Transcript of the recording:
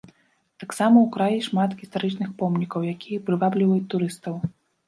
Таксама ў краі шмат гістарычных помнікаў, якія прывабліваюць турыстаў.